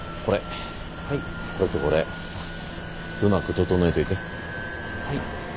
これとこれうまく整えといて。